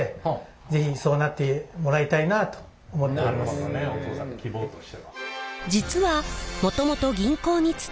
なるほどねお父さんの希望としては。